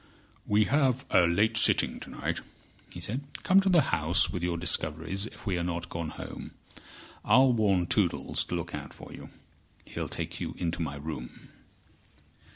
"We'll have a late sitting to night," he said. "Come to the House with your discoveries if we are not gone home. I'll warn Toodles to look out for you. He'll take you into my room."